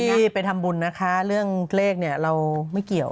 ที่ไปทำบุญนะคะเรื่องเลขเนี่ยเราไม่เกี่ยว